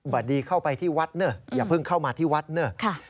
บดีเข้าไปที่วัดเนอะอย่าเพิ่งเข้ามาที่วัดเนอะ